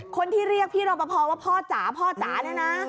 คนที่เรียกพี่รอปภว่าพ่อจ๋าพ่อจ๋าเนี่ยนะ